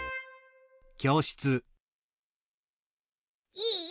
いい？